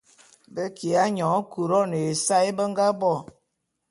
Be kiya nyône Couronne ya ésae be nga bo.